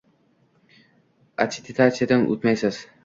attestatsiyadan o‘tmaysiz.